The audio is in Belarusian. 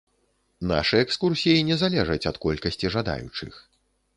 Нашы экскурсіі не залежаць ад колькасці жадаючых.